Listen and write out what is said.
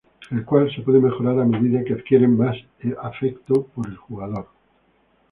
El cual se puede mejorar a medida que adquieren más afecto por el jugador.